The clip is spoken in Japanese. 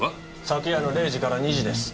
昨夜の零時から２時です。